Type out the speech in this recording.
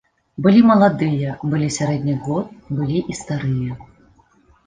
Былі маладыя, былі сярэдніх год, былі і старыя.